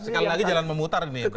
sekali lagi jalan memutar ini